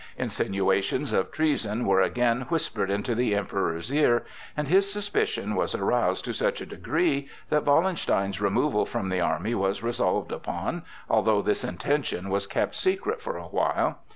Insinuations of treason were again whispered into the Emperor's ear, and his suspicion was aroused to such a degree that Wallenstein's removal from the army was resolved upon, although this intention was kept secret for a while.